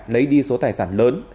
lấy đi số tài sản lớn